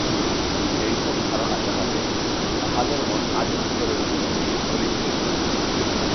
এইসব ধারণা যাহাদের, তাহাদের মন আদিম স্তরে রহিয়াছে, বলিতে হইবে।